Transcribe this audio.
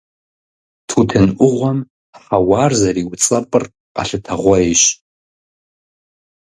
Тутын Ӏугъуэм хьэуар зэриуцӀэпӀыр къэлъытэгъуейщ.